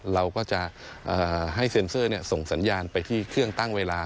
เราก็จะให้เซ็นเซอร์ส่งสัญญาณไปที่เครื่องตั้งเวลา